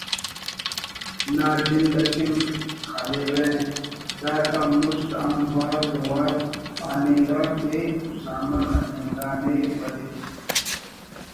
نا جند اکن خلیوہ“ دا کان مست ہم بھاز وار پاننگا کہ اسامہ خلنگانے ولے